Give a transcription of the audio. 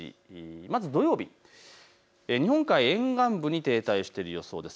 まず土曜日、日本海沿岸部に停滞している予想です。